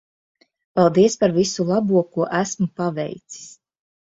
Paldies par visu labo ko esmu paveicis.